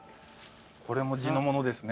これも地のものですね。